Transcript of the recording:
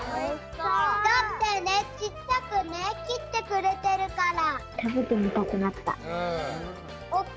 だってねちっちゃくねきってくれてるから。